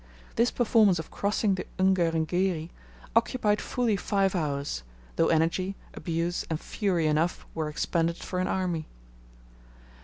This performance of crossing the Ungerengeri occupied fully five hours, though energy, abuse, and fury enough were expended for an army.